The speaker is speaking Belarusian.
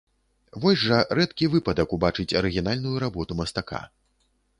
Вось жа рэдкі выпадак убачыць арыгінальную работу мастака.